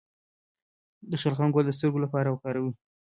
د شلغم ګل د سترګو لپاره وکاروئ